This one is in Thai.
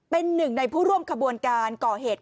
เป็นหนึ่งในผู้ร่วมขบวนการก่อเหตุ